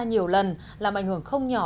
nhiều lần làm ảnh hưởng không nhỏ